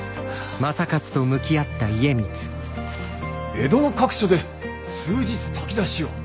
江戸の各所で数日炊き出しを。